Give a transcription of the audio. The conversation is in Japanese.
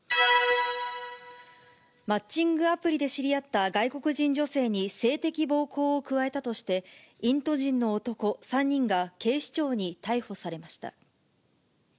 マッチングアプリで知り合った外国人女性に、性的暴行を加えたとして、インド人の男３人が警視庁に逮捕されました。